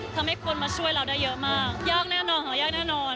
ทำให้คนมาช่วยเราได้เยอะมากยากแน่นอนค่ะยากแน่นอน